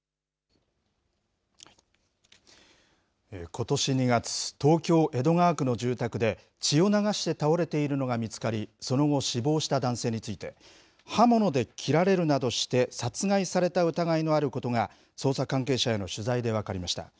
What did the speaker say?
ことし２月、東京・江戸川区の住宅で血を流して倒れているのが見つかり、その後、死亡した男性について、刃物で切られるなどして殺害された疑いのあることが、捜査関係者への取材で分かりました。